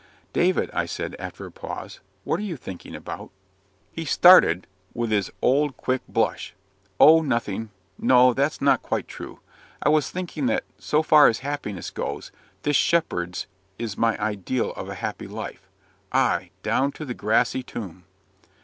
"David," I said, after a pause, "what are you thinking about?" He started, with his old quick blush "Oh, nothing No, that's not quite true. I was thinking that, so far as happiness goes, this 'shepherd's' is my ideal of a happy life ay, down to the 'grassy tomb.'"